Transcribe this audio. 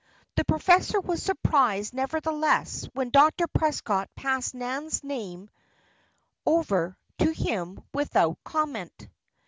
The professor was surprised nevertheless when Dr. Prescott passed Nan's name over to him without comment.